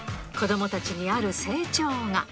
子どもたちにある成長が。